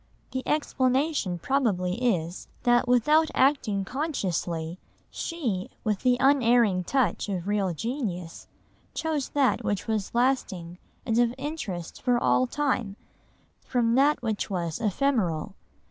The explanation probably is, that without acting consciously, she, with the unerring touch of real genius, chose that which was lasting, and of interest for all time, from that which was ephemeral.